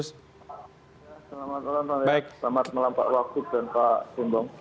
selamat malam pak wagub dan pak gembong